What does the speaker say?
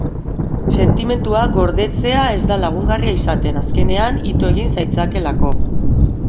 Sentimenduak gordetzea ez da lagungarria izaten, azkenean ito egin zaitzakelako.